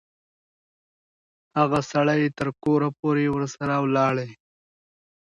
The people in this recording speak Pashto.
هغه سړی تر کوره پوري ورسره ولاړی.